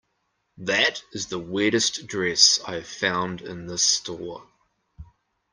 That is the weirdest dress I have found in this store.